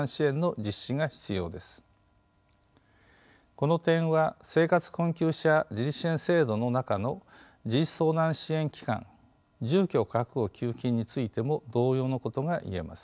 この点は生活困窮者自立支援制度の中の自立相談支援機関住居確保給付金についても同様のことが言えます。